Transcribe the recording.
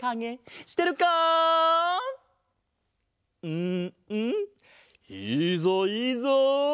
うんうんいいぞいいぞ！